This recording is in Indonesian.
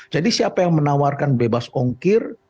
jadi siapa yang menawarkan bebas ongkir